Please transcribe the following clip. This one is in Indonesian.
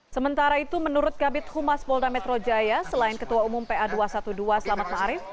sementara itu menurut gabit humas polda metrojaya selain ketua umum pa dua ratus dua belas selamat ma'arif